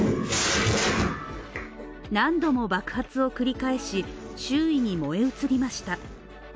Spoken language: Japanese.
何度も爆発を繰り返し、周囲に燃え移りました。